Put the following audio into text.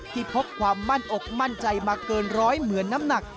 พบความมั่นอกมั่นใจมาเกินร้อยเหมือนน้ำหนัก